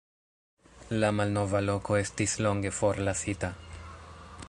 La malnova loko estis longe forlasita.